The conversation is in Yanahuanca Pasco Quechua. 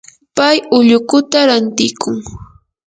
pay ullukuta rantiykun.